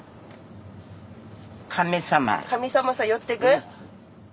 神様さ寄ってく？